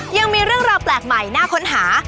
ยังมีเรื่องราวแปลกใหม่น่าค้นหา